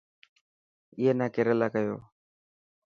اي نا ڪيريلا ڪيو.